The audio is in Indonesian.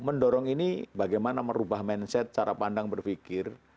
mendorong ini bagaimana merubah mindset cara pandang berpikir